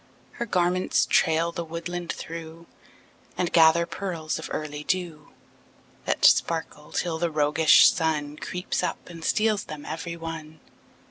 Her garments trail the woodland through, And gather pearls of early dew That sparkle till the roguish Sun Creeps up and steals them every one.